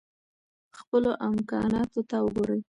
خپلو امکاناتو ته وګورئ.